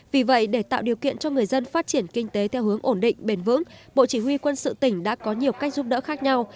vì vậy để tạo điều kiện cho người dân phát triển kinh tế theo hướng ổn định bền vững bộ chỉ huy quân sự tỉnh đã có nhiều cách giúp đỡ khác nhau